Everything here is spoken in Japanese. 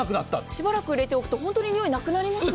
しばらく入れておくと本当ににおいがなくなりますよ。